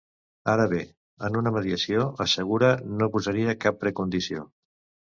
Ara bé, en una mediació, assegura, no posaria cap precondició.